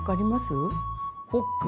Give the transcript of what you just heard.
ホック。